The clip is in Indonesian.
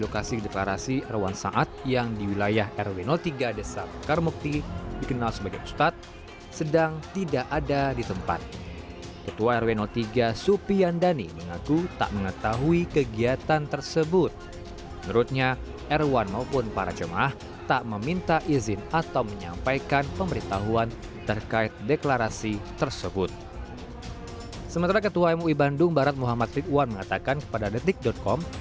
ketua mui bandung barat muhammad ridwan mengatakan kepada detik com